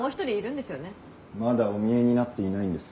まだおみえになっていないんです。